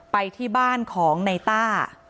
ไปที่บ้านของในต้า